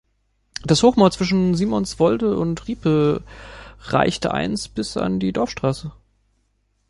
Das Hochmoor zwischen Simonswolde und Riepe reichte einst bis an die Dorfstraße.